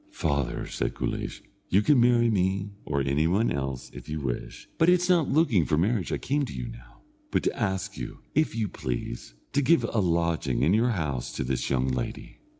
"Father," said Guleesh, "you can marry me, or anybody else, if you wish; but it's not looking for marriage I came to you now, but to ask you, if you please, to give a lodging in your house to this young lady."